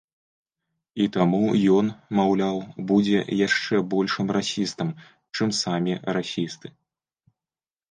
І таму ён, маўляў, будзе яшчэ большым расістам, чым самі расісты.